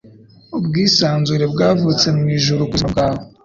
Ubwisanzure bwavutse mwijuru kubuzima bwawe